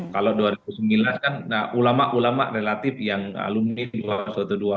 kalau dua ribu sembilan kan ulama ulama relatif yang alumni di luar suatu dua